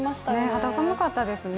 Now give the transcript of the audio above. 肌寒かったですね。